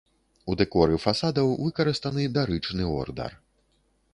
У дэкоры фасадаў выкарыстаны дарычны ордар.